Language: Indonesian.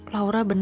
laura bener sih